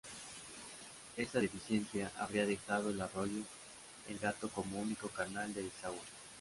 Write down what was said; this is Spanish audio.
Esta deficiencia habría dejado al arroyo El Gato como único canal de desagüe.